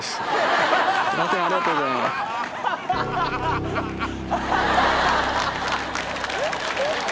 ありがとうございます。